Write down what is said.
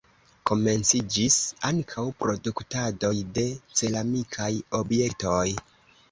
Komenciĝis ankaŭ produktadoj de ceramikaj objektoj.